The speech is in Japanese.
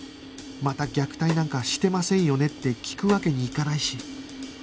また虐待なんかしてませんよね？って聞くわけにいかないし